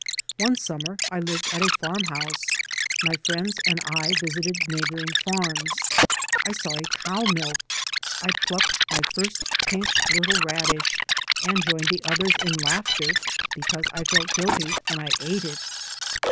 One summer I lived at a farm house. My friends and I visited neighbouring farms. I saw a cow milked. I plucked my first pink little radish, and joined the others in laughter because I felt guilty when I ate it.